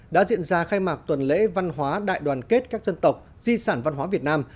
đã diễn ra khai mạc tuần lễ văn hóa đại đoàn kết các dân tộc di sản văn hóa việt nam